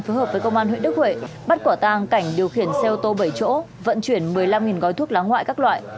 phối hợp với công an huyện đức huệ bắt quả tàng cảnh điều khiển xe ô tô bảy chỗ vận chuyển một mươi năm gói thuốc lá ngoại các loại